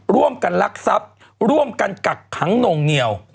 ร่วมกันลักทรัพย์ร่วมกันกักขังหน่งเหนียว